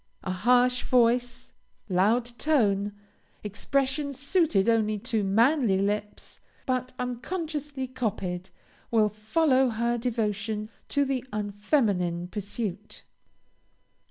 A harsh voice, loud tone, expressions suited only to manly lips, but unconsciously copied, will follow her devotion to the unfeminine pursuit.